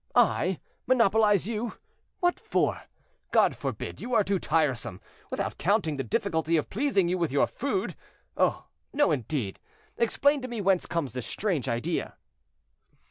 "I monopolize you! what for? God forbid! you are too tiresome, without counting the difficulty of pleasing you with your food. Oh! no, indeed! Explain to me whence comes this strange idea."